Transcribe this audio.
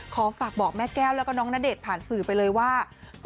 ขอฝากบอกแม่แก้วแล้วก็น้องณเดชน์ผ่านสื่อไปเลยว่า